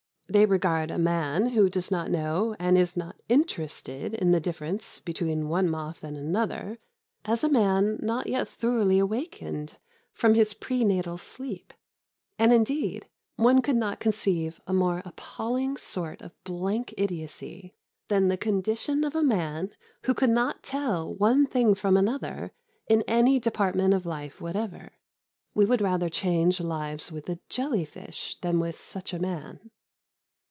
They regard a man who does not know and is not interested in the difference between one moth and another as a man not yet thoroughly awakened from his pre natal sleep. And, indeed, one could not conceive a more appalling sort of blank idiocy than the condition of a man who could not tell one thing from another in any department of life whatever. We would rather change lives with a jelly fish than with such a man.